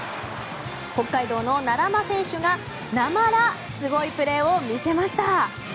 北海道の奈良間選手がなまらすごいプレーを見せました。